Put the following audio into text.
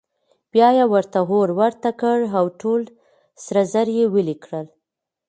بیا یې ورته اور ورته کړ او ټول سره زر یې ویلې کړل.